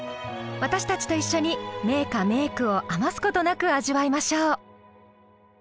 私たちと一緒に名歌・名句を余すことなく味わいましょう。